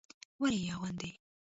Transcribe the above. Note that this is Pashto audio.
ولې يې اغوندي.